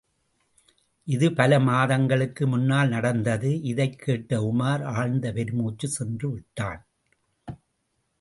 இது பல மாதங்களுக்கு முன்னால் நடந்தது. இதைக் கேட்ட உமார் ஆழ்ந்த பெருமூச்சொன்று விட்டான்.